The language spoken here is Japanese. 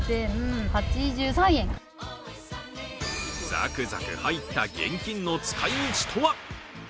ザクザク入った現金の使いみちとは？